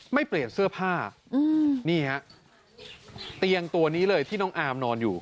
เปลี่ยนเสื้อผ้านี่ฮะเตียงตัวนี้เลยที่น้องอาร์มนอนอยู่